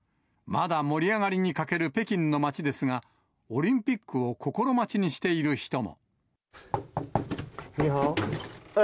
まだ盛り上がりに欠ける北京の街ですが、オリンピックを心待ちにしている人も。